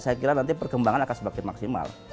saya kira nanti perkembangan akan semakin maksimal